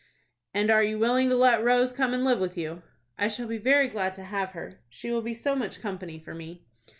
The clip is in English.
"And are you willing to let Rose come and live with you?" "I shall be very glad to have her. She will be so much company for me."